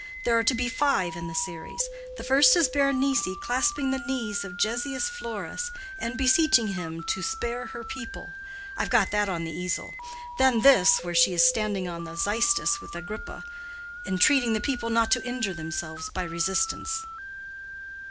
There are to be five in the series. The first is Berenice clasping the knees of Gessius Florus and beseeching him to spare her people; I've got that on the easel. Then, this, where she is standing on the Xystus with Agrippa, entreating the people not to injure themselves by resistance."